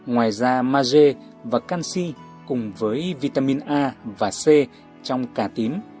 ngoài ra mage và canxi cùng với vitamin a và c trong cà tím